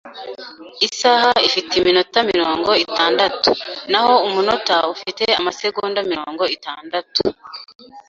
Isaha ifite iminota mirongo itandatu, naho umunota ufite amasegonda mirongo itandatu.